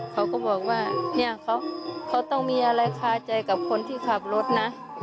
เขาก็บอกว่าเนี่ยเขาต้องมีอะไรคาใจกับคนที่ขับรถนะ